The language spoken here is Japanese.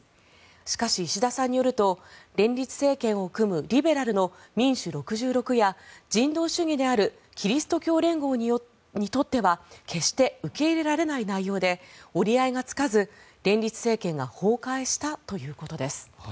しかし、石田さんによると連立政権を組むリベラルの民主６６や人道主義であるキリスト教連合にとっては決して受け入れられない内容で折り合いがつかず連立政権が崩壊したということです。